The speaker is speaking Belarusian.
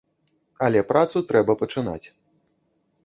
Але працу трэба пачынаць.